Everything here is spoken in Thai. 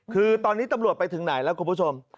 คือตอนนี้ตำรวจไปถึงไหนแล้วคุณผู้ชม